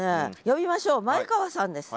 呼びましょう前川さんです。